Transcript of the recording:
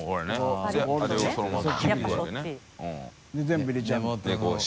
全部入れちゃうんだ。